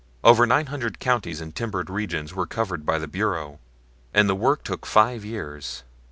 Over nine hundred counties in timbered regions were covered by the Bureau, and the work took five years.